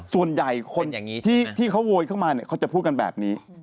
ส่วนใหญ่คนอย่างนี้ที่เขาโวยเข้ามาเนี่ยเขาจะพูดกันแบบนี้